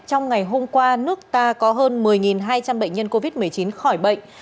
trong ngày hôm qua nước ta có hơn một mươi hai trăm linh bệnh nhân covid một mươi chín khỏi bệnh